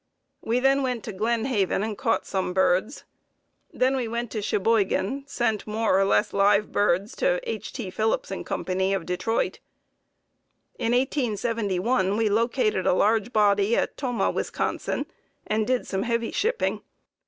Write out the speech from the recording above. We then went to Glen Haven and caught some birds. Then we went to Cheboygan; sent more or less live birds to H. T. Phillips & Co., of Detroit. In 1871 we located a large body at Tomah, Wis., and did some heavy shipping.